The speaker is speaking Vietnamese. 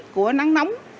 của nắng nóng